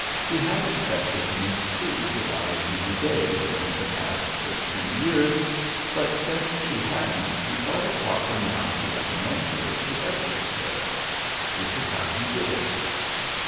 He had expected Miss Crewe to die any day during the past thirteen years, but since she hadn't he thought it proper now to recommend her to Edward's care. This is how he did it.